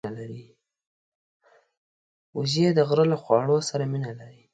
وزې د غره له خواړو سره مینه لري